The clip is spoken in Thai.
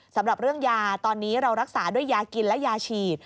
สำหรับเรื่องยาตอนนี้เรารักษาด้วยยากินและยาฉีด